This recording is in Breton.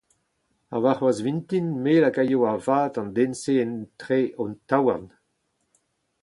Ha warc'hoazh vintin me a lakay a-vat an den-se etre ho taouarn.